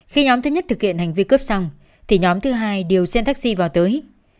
khi nhóm thứ nhất thực hiện hành vi cướp xong thì nhóm thứ hai đều xe taxi vào tới